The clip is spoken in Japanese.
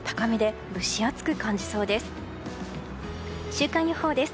週間予報です。